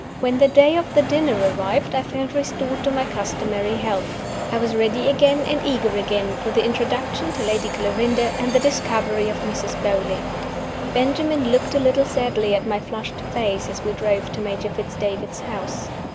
When the day of the dinner arrived, I felt restored to my customary health. I was ready again, and eager again, for the introduction to Lady Clarinda and the discovery of Mrs. Beauly. Benjamin looked a little sadly at my flushed face as we drove to Major Fitz David's house.